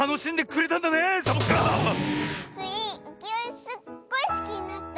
すっごいすきになった。